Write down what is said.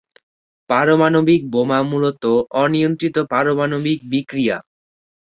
পারমাণবিক বোমা মূলত অনিয়ন্ত্রিত পারমাণবিক বিক্রিয়া।